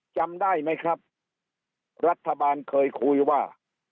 จำได้ไหมครับรัฐบาลเคยคุยว่า